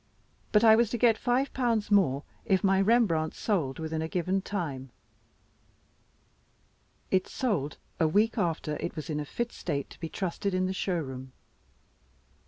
But I was to get five pounds more, if my Rembrandt sold within a given time. It sold a week after it was in a fit state to be trusted in the showroom.